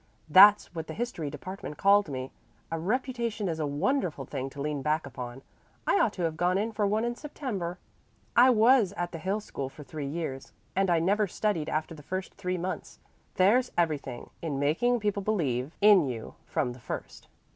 That's what the history department called me. A reputation is a wonderful thing to lean back upon. I ought to have gone in for one in September. I was at the Hill School for three years, and I never studied after the first three months. There's everything in making people believe in you from the first."